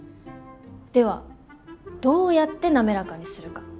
ではどうやって滑らかにするか。